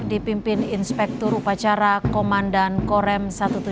dipimpin inspektur upacara komandan korem satu ratus tujuh puluh